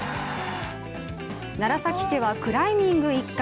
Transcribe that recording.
楢崎家は、クライミング一家。